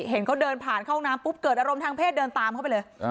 เห็นเขาเดินผ่านเข้าน้ำปุ๊บเกิดอารมณ์ทางเพศเดินตามเข้าไปเลย